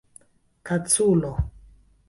kaculo